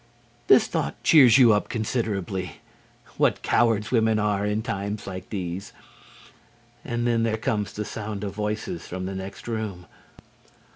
This thought cheers you up considerably. What cowards women are in times like these! And then there comes the sound of voices from the next room.